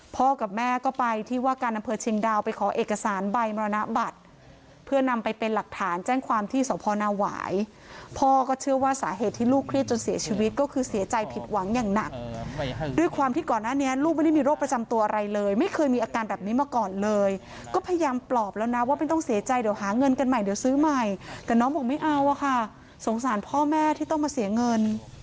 พ่อกับแม่ก็ไปที่ว่าการอำเภอเชียงดาวไปขอเอกสารใบมรณบัตรเพื่อนำไปเป็นหลักฐานแจ้งความที่สวพอนาหวายพ่อก็เชื่อว่าสาเหตุที่ลูกเครียดจนเสียชีวิตก็คือเสียใจผิดหวังอย่างหนักด้วยความที่ก่อนหน้านี้ลูกไม่ได้มีโรคประจำตัวอะไรเลยไม่เคยมีอาการแบบนี้มาก่อนเลยก็พยายามปลอบแล้วนะว่าไม่ต้องเสียใจเดี